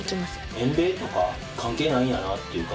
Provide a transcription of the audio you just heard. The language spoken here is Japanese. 年齢とか、関係ないんやなっていうか。